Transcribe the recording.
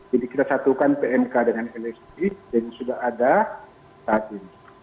jadi kita satukan pmk dengan lsd yang sudah ada saat ini